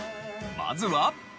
まずは。